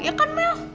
iya kan mel